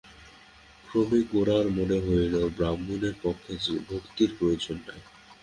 ক্রমে গোরার মনে হইল, ব্রাহ্মণের পক্ষে ভক্তির প্রয়োজন নাই।